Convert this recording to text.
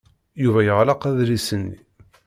Yuba yeɣleq adlis-nni.